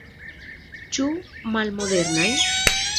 Ĉu malmodernaj?